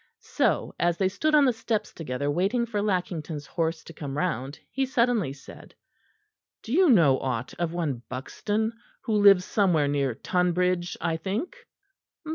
So, as they stood on the steps together, waiting for Lackington's horse to come round, he suddenly said: "Do you know aught of one Buxton, who lives somewhere near Tonbridge, I think?"